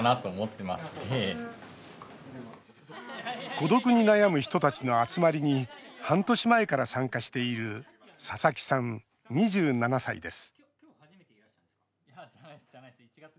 孤独に悩む人たちの集まりに半年前から参加している佐々木さん、２７歳です。